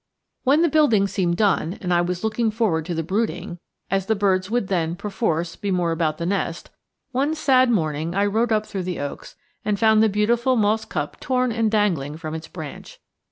When the building seemed done and I was looking forward to the brooding, as the birds would then, perforce, be more about the nest, one sad morning I rode up through the oaks and found the beautiful moss cup torn and dangling from its branch.